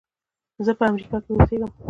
زه په امریکا کې اوسېږم.